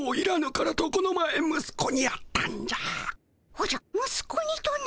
おじゃ息子にとな？